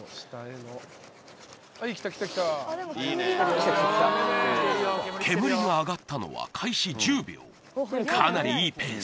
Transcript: きたきたきた煙煙が上がったのは開始１０秒かなりいいペース